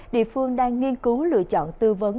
địa phương đang nghiên cứu lựa chọn tư vấn